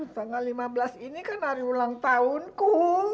tanggal lima belas ini kan hari ulang tahunku